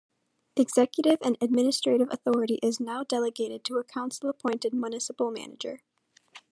Executive and administrative authority is now delegated to a council appointed Municipal Manager.